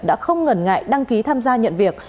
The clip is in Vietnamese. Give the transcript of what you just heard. đã không ngần ngại đăng ký tham gia nhận việc